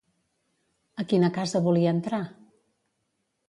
A quina casa volia entrar?